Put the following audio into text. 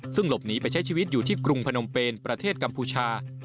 ซึ่งหลบหนีไปใช้ชีวิตอยู่ที่กรุงพนมเป็นประเทศกัมพูชา